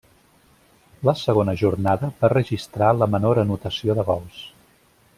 La segona jornada va registrar la menor anotació de gols.